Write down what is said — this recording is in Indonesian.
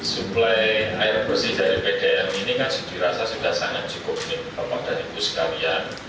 supply air bersih dari pdm ini kan sudah dirasa sudah sangat cukup pak pak dan ibu sekalian